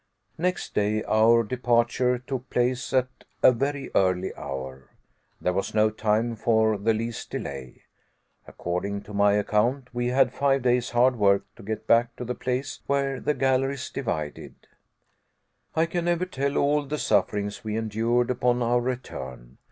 Next day, our departure took place at a very early hour. There was no time for the least delay. According to my account, we had five days' hard work to get back to the place where the galleries divided. I can never tell all the sufferings we endured upon our return.